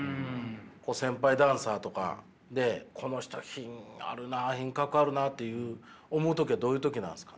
先輩ダンサーとかでこの人は品があるな品格あるなっていう思う時はどういう時なんですか？